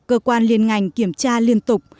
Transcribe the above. cơ quan liên ngành kiểm tra liên tục